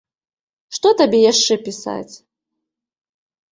Што табе яшчэ пісаць?